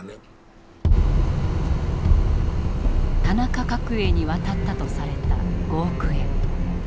田中角栄に渡ったとされた５億円。